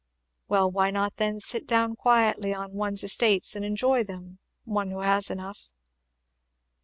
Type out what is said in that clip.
"Well, why not then sit down quietly on one's estates and enjoy them, one who has enough?"